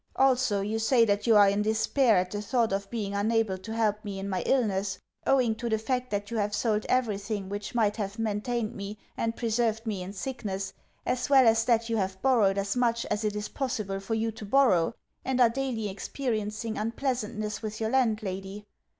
Also, you say that you are in despair at the thought of being unable to help me in my illness, owing to the fact that you have sold everything which might have maintained me, and preserved me in sickness, as well as that you have borrowed as much as it is possible for you to borrow, and are daily experiencing unpleasantness with your landlady.